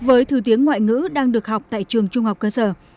với thứ tiếng ngoại ngữ đang được học tại trường trung học cơ sở